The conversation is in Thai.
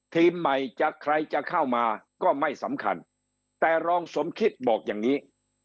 ทีมใหม่จะใครจะเข้ามาก็ไม่สำคัญแต่รองสมคิดบอกอย่างนี้